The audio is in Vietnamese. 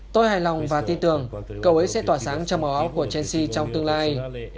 tôi hài lòng và tin tưởng cậu ấy sẽ tỏa sáng trong màu áo của chelsea trong tương lai